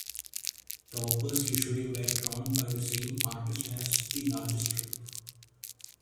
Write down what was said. Toppers usually were drawn by the same artist as the larger strip.